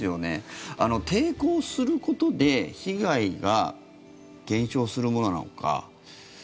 抵抗することで被害が減少するものなのか。